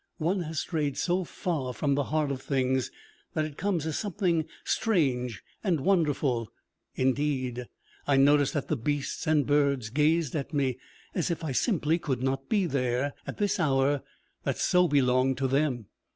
One has strayed so far from the heart of things, that it comes as something strange and wonderful! Indeed, I noticed that the beasts and birds gazed at me as if I simply could not be there, at this hour that so belonged to them.